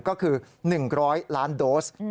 ก็คือ๑๐๐ล้านโดส